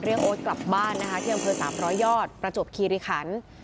เรียกโอ๊ตกลับบ้านที่บริเวณพื้นสามร้อยยอดประจบคีริขัน